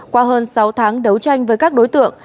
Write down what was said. qua hơn sáu tháng đấu tranh với các đối tượng